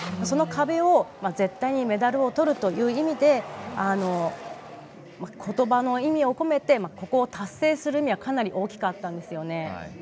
その壁を絶対にメダルを取るという意味でことばの意味を込めてここを達成するにはかなり大きかったんですよね。